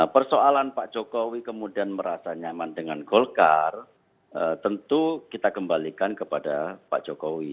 persoalan pak jokowi kemudian merasa nyaman dengan golkar tentu kita kembalikan kepada pak jokowi